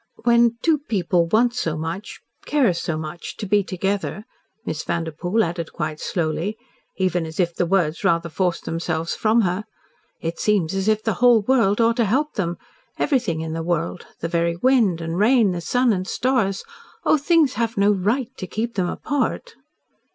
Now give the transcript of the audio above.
"When two people want so much care so much to be together," Miss Vanderpoel added quite slowly even as if the words rather forced themselves from her, "it seems as if the whole world ought to help them everything in the world the very wind, and rain, and sun, and stars oh, things have no RIGHT to keep them apart."